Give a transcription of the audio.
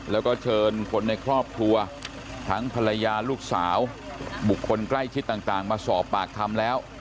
แล้วก็เชิญคนในครอบครัวทั้งภรรยาลูกสาวบุคคลใกล้ชิดต่างมาสอบปากคำแล้ว